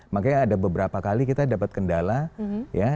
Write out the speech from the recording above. makanya ada beberapa kali kita dapat kendala ya